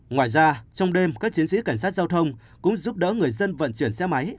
ngoài ra trong đêm các chiến sĩ cảnh sát giao thông cũng giúp đỡ người dân vận chuyển xe máy